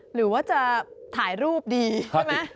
หรือว่าจะถ่ายรูปดีใช่ไหม